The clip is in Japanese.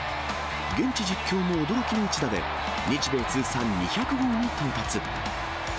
現地実況も驚きの一打で、日米通算２００号に到達。